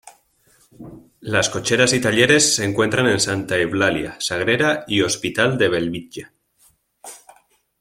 Las cocheras y talleres se encuentran en Santa Eulalia, Sagrera y Hospital de Bellvitge.